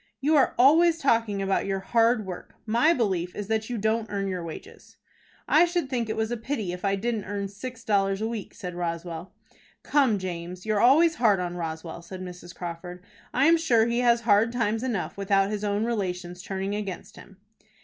"You are always talking about your hard work. My belief is that you don't earn your wages." "I should think it was a pity if I didn't earn six dollars a week," said Roswell. "Come, James, you're always hard on Roswell," said Mrs. Crawford. "I am sure he has hard times enough without his own relations turning against him."